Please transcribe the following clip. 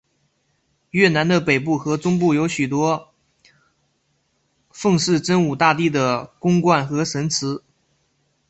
越南的北部和中部有许多奉祀真武大帝的宫观和神祠。